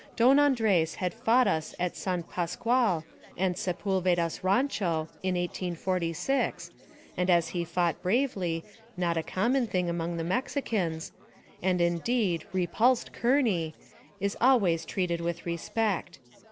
Don Andres had fought us at San Pazqual and Sepulveda's rancho, in 1846, and as he fought bravely, not a common thing among the Mexicans, and, indeed, repulsed Kearney, is always treated with respect.